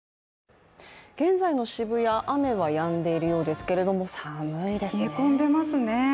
現在の渋谷、雨はやんでいるようですけれども、寒いですね。